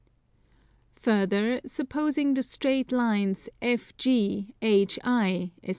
Further, supposing the straight lines FG, HI, etc.